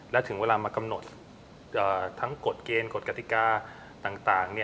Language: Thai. และถึงเวลามากำหนดทั้งกฎเกณฑ์กฎกติกาต่าง